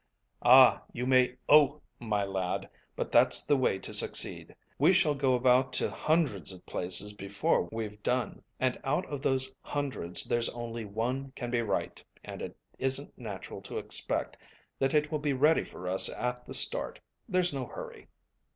"Ah, you may `Oh,' my lad, but that's the way to succeed. We shall go about to hundreds of places before we've done, and out of those hundreds there's only one can be right, and it isn't natural to expect that it will be ready for us at the start. There's no hurry."